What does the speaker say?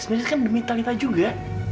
semua ini kan demi talita juga